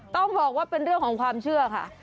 ต้องบอกว่าเป็นเรื่องของความเชื่อค่ะ